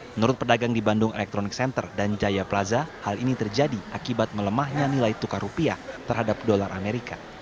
menurut pedagang di bandung electronic center dan jaya plaza hal ini terjadi akibat melemahnya nilai tukar rupiah terhadap dolar amerika